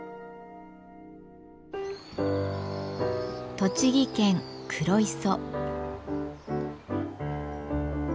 栃木県黒磯。